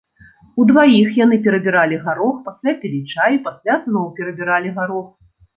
Удваіх яны перабіралі гарох, пасля пілі чай, пасля зноў перабіралі гарох.